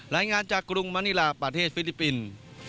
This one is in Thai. รายงานจากกรุงมณีลาประเทศฟิลิปปินส์